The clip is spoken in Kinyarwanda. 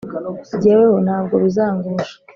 jyeweho ntabwo bizangusha.